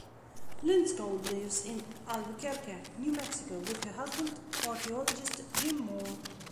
Lindskold lives in Albuquerque, New Mexico, with her husband, archaeologist Jim Moore.